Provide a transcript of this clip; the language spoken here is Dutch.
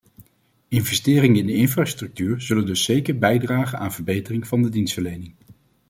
Investeringen in de infrastructuur zullen dus zeker bijdragen aan verbetering van de dienstverlening.